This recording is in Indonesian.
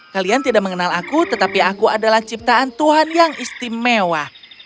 kalian tidak mengenal aku tetapi aku adalah ciptaan tuhan yang istimewa